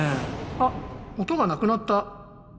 あ音がなくなった。